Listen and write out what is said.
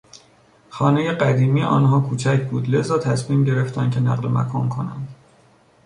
خانهی قدیمی آنها کوچک بود لذاتصمیم گرفتند که نقل مکان کنند.